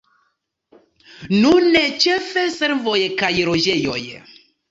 Nune ĉefe servoj kaj loĝejoj.